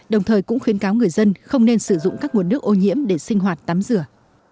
đồng thời cũng khuyến cáo người dân không nên sử dụng các nguồn nước ô nhiễm để sinh hoạt tắm rửa